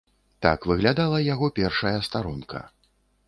Так выглядала яго першая старонка.